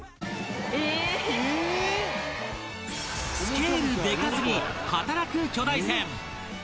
スケールでかすぎ働く巨大船